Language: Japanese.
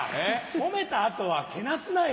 褒めた後はけなすなよ！